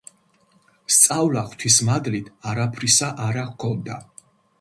სწავლა, ღვთის მადლით, არაფრისა არა ჰქონდა.